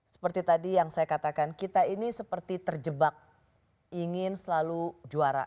seperti tadi yang saya katakan kita ini seperti terjebak ingin selalu juara